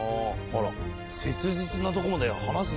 「切実なところまで話すのね」